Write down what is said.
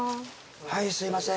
はいすいません。